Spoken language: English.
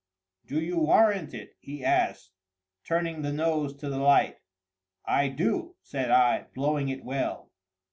"Do you warrant it?" he asked, turning the nose to the light. "I do," said I, blowing it well.